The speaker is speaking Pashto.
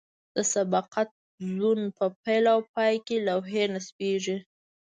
د سبقت زون په پیل او پای کې لوحې نصبیږي